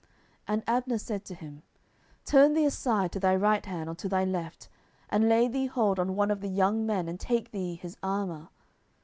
10:002:021 And Abner said to him, Turn thee aside to thy right hand or to thy left, and lay thee hold on one of the young men, and take thee his armour.